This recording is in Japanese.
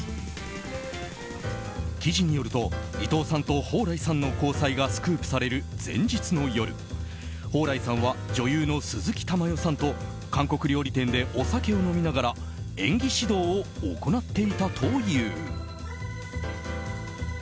記事によると伊藤さんと蓬莱さんの交際がスクープされる前日の夜蓬莱さんは女優の鈴木たまよさんと韓国料理店でお酒を飲みながら演技指導を行っていたという。